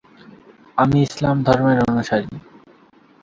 কঠিন পদার্থটি সম্ভবত এক ধরনের আঠা।